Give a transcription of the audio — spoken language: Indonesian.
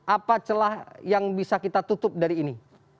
apa celah yang bisa kita tutup dari ini